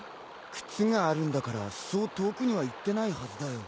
靴があるんだからそう遠くには行ってないはずだよ。